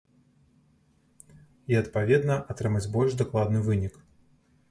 І, адпаведна, атрымаць больш дакладны вынік.